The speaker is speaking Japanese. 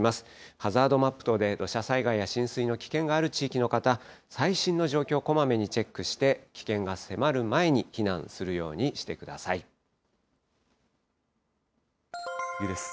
ハザードマップ等で土砂災害や浸水の危険がある地域の方、最新の状況、こまめにチェックして、危険が迫る前に避難するようにして次です。